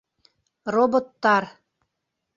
Роботтар!